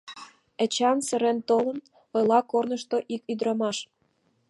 — Эчан сырен толын, — ойла корнышто ик ӱдырамаш.